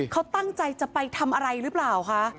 เขาตั้งใจจะไปทำอะไรหรือเปล่าคะ